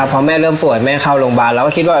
พอแม่เริ่มป่วยแม่เข้าโรงพยาบาลเราก็คิดว่า